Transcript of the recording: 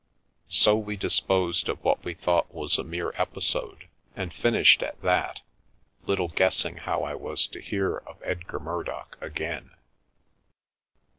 So we disposed of what we thought was a mere episode, and finished at that, little guessing how I was to hear of Edgar Murdock again.